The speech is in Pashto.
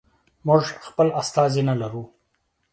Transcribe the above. موږ خپل استازی نه لرو.